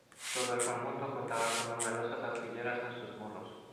Todo el conjunto contaba con numerosas aspilleras en sus muros.